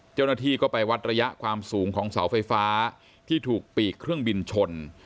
เจ้าหน้าที่ก็ไปวัดระยะความสูงของเสาไฟฟ้าที่ถูกปีกเครื่องบินชน